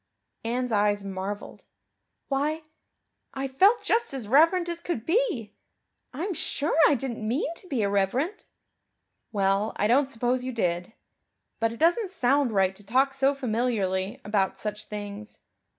Anne's eyes marveled. "Why, I felt just as reverent as could be. I'm sure I didn't mean to be irreverent." "Well I don't suppose you did but it doesn't sound right to talk so familiarly about such things.